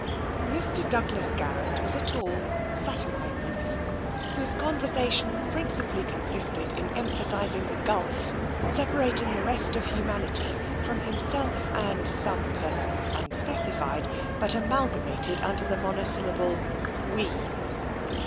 Mr. Douglas Garrett was a tall, saturnine youth, whose conversation principally consisted in empha sising the gulf separating the rest of humanity from himself and some persons unspecified, but amalga mated under the monosyllable " we."